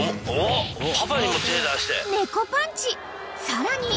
［さらに］